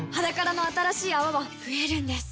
「ｈａｄａｋａｒａ」の新しい泡は増えるんです